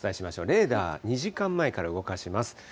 レーダー、２時間前から動かします。